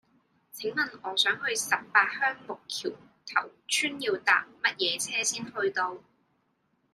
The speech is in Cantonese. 請問我想去十八鄉木橋頭村要搭乜嘢車先去到